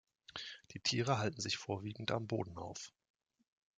Die Tiere halten sich vorwiegend am Boden auf.